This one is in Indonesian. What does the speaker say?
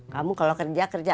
kamu kalau kerja kerja